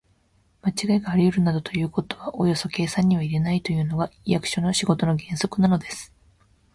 まちがいがありうるなどということはおよそ計算には入れないというのが、役所の仕事の原則なのです。